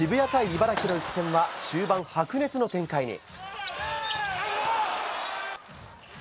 茨城の一戦は、終盤白熱の展開に。